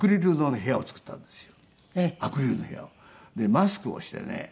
マスクをしてね